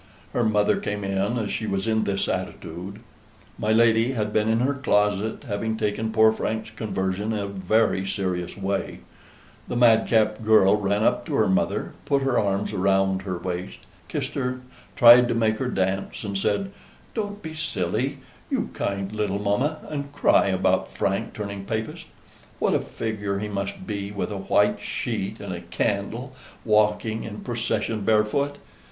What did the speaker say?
Her mother came in as she was in this attitude; my lady had been in her closet, having taken poor Frank's conversion in a very serious way; the madcap girl ran up to her mother, put her arms round her waist, kissed her, tried to make her dance, and said: "Don't be silly, you kind little mamma, and cry about Frank turning Papist. What a figure he must be, with a white sheet and a candle, walking in a procession barefoot!"